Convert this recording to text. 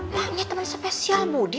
makanya temen spesial budi